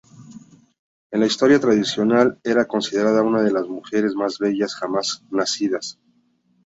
En la historia tradicional, era considerada una de las mujeres más bellas jamás nacidas.